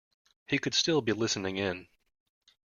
He could still be listening in.